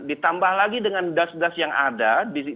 ditambah lagi dengan das das yang ada